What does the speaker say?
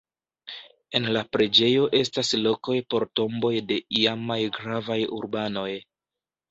En la preĝejo estas lokoj por tomboj de iamaj gravaj urbanoj.